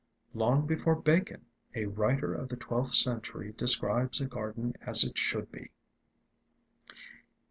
Long before Bacon, a writer of the twelfth century describes a garden as it should be.